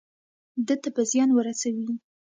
ده ته به زیان ورسوي.